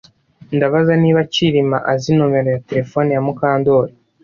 Ndabaza niba Kirima azi numero ya terefone ya Mukandoli